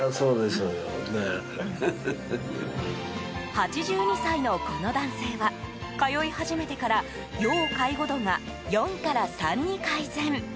８２歳の、この男性は通い始めてから要介護度が４から３に改善。